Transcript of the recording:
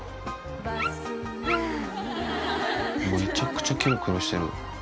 めちゃくちゃキョロキョロしてる。